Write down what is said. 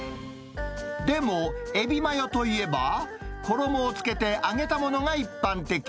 でも、エビマヨといえば、衣をつけて揚げたものが一般的。